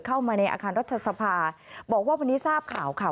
เข้ามาในอาคารรัฐสภาบอกว่าวันนี้ทราบข่าวค่ะ